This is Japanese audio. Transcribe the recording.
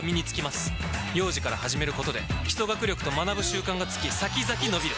幼児から始めることで基礎学力と学ぶ習慣がつき先々のびる！